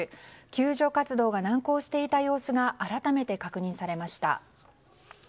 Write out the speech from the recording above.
救助活動が難航していた様子が改めて確認されました。